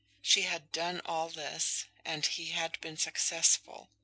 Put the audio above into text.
She had done all this, and he had been successful.